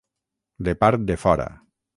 De part de fora.